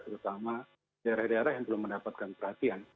terutama daerah daerah yang belum mendapatkan perhatian